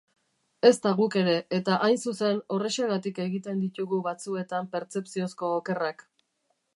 Ezta guk ere, eta hain zuzen horrexegatik egiten ditugu batzuetan pertzepziozko okerrak.